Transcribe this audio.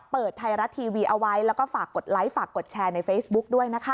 เปิดไทยรัฐทีวีเอาไว้แล้วก็ฝากกดไลค์ฝากกดแชร์ในเฟซบุ๊กด้วยนะคะ